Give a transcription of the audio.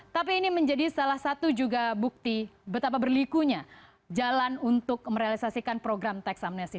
tapi ini menjadi salah satu juga bukti betapa berlikunya jalan untuk merealisasikan program teks amnesti